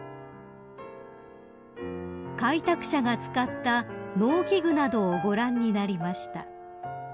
［開拓者が使った農機具などをご覧になりました］